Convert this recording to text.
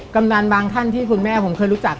กำนันบางท่านที่คุณแม่ผมเคยรู้จัก